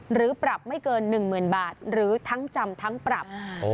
หรือปรับไม่เกิน๑๐๐๐บาทหรือทั้งจำทั้งปรับ